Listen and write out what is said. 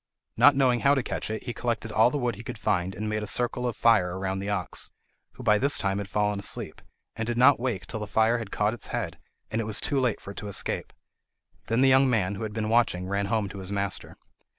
Not knowing how to catch it, he collected all the wood he could find and made a circle of fire round the ox, who by this time had fallen asleep, and did not wake till the fire had caught its head, and it was too late for it to escape. Then the young man, who had been watching, ran home to his master.